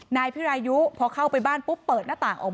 นายสาราวุธคนก่อเหตุอยู่ที่บ้านกับนางสาวสุกัญญาก็คือภรรยาเขาอะนะคะ